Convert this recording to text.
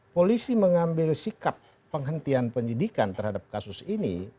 polisi mengambil sikap penghentian penyidikan terhadap kasus ini